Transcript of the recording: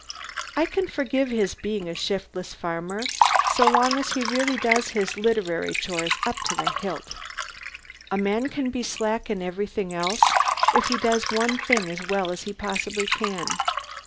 I can forgive his being a shiftless farmer so long as he really does his literary chores up to the hilt. A man can be slack in everything else, if he does one thing as well as he possibly can.